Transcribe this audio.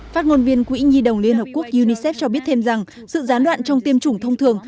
phát ngôn viên quỹ nhi đồng liên hợp quốc unicef cho biết thêm rằng sự gián đoạn trong tiêm chủng thông thường